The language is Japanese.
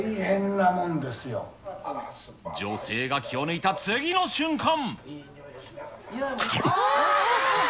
女性が気を抜いた次の瞬間。